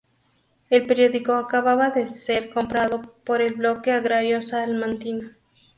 El periódico acababa de ser comprado por el Bloque Agrario Salmantino.